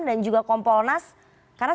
dan juga kompolnas karena